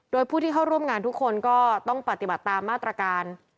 โดยผู้ที่เข้าร่วมงานทุกคนก็ต้องปฏิบัติตามมาตรการ